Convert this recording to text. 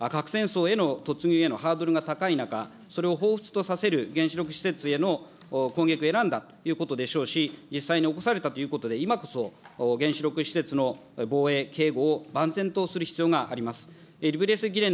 突入へのハードルが高い中、それをほうふつと原子力施設への攻撃を選んだということでしょうし、実際に起こされたということで、原子力施設の防衛、警護を万全とする必要があります。